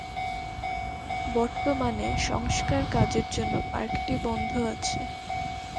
বর্তমানে সংস্কার কাজের জন্য পার্কটি বন্ধ আছে।